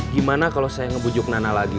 gimana kalau saya ngebujuk nana lagi